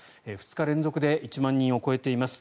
２日連続で１万人を超えています。